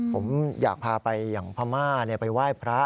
ผมอยากพาไปอย่างพม่าไปไหว้พระ